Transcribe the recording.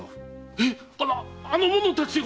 えっ⁉ではあの者たちが？